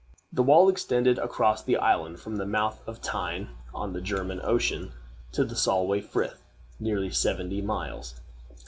The wall extended across the island, from the mouth of the Tyne, on the German Ocean, to the Solway Frith nearly seventy miles.